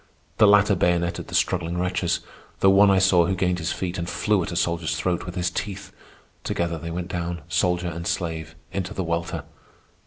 The latter bayoneted the struggling wretches, though one I saw who gained his feet and flew at a soldier's throat with his teeth. Together they went down, soldier and slave, into the welter.